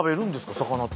魚って。